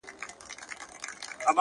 • ه ولي په زاړه درد کي پایماله یې،